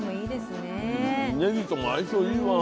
ねぎとも相性いいわ。